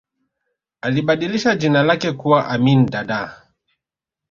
alibadilisha jina lake kuwa amin dada